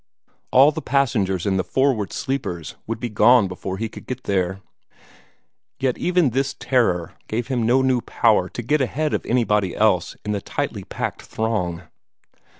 All the passengers in the forward sleepers would be gone before he could get there. Yet even this terror gave him no new power to get ahead of anybody else in the tightly packed throng.